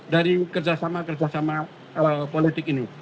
dari kerjasama kerjasama politik ini